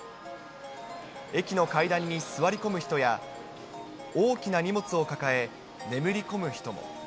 駅の階段に座り込む人や、大きな荷物を抱え眠り込む人も。